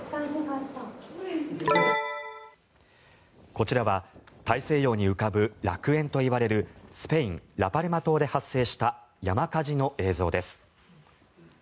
こちらは大西洋に浮かぶ楽園といわれるスペイン・ラパルマ島で発生した山火事の映像です。